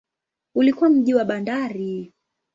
Ulikuwa mji wa bandari.